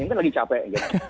mungkin lagi capek